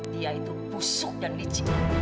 dia itu busuk dan licin